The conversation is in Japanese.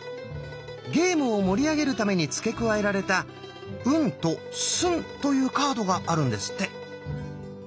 ゲームを盛り上げるために付け加えられた「ウン」と「スン」というカードがあるんですって！